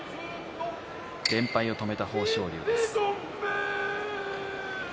連敗を止めた豊昇龍です。